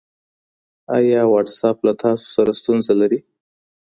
ایا وټساپ له تاسو سره ستونزه لري؟